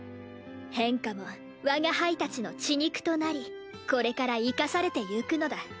変化も我が輩たちの血肉となりこれから活かされてゆくのだ。